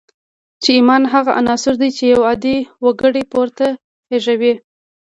ایمان هغه عنصر دی چې یو عادي وګړی پورته خېژوي